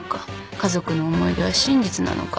家族の思い出は真実なのか。